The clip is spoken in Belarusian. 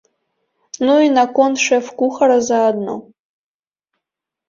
Ну і наконт шэф-кухара заадно.